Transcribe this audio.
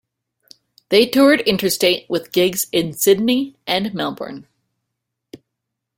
They toured interstate with gigs in Sydney and Melbourne.